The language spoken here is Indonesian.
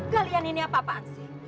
kalian ini apa apaan sih